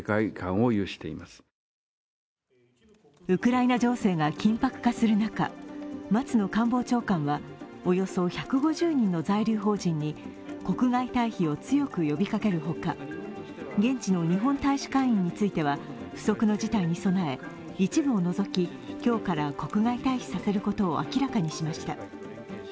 ウクライナ情勢が緊迫化する中松野官房長官はおよそ１５０人の在留邦人に国外退避を強く呼びかけるほか、現地の日本大使館員については不測の事態に備え、一部を除き、今日から国外退避させることを明らかにしました。